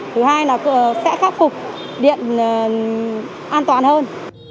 thứ hai là sẽ khắc phục điện an toàn hơn